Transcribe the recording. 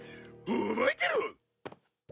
覚えてろ！